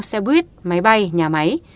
xe buýt máy bay nhà máy